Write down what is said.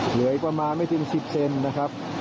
เหลืออีกประมาณไม่ถึง๑๐เซนนะครับ